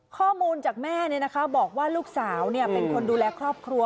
ข้อมูลจากแม่บอกว่าลูกสาวเป็นคนดูแลครอบครัว